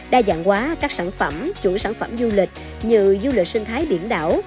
đa dạng hóa các sản phẩm chuỗi sản phẩm du lịch như du lịch sinh thái biển đảo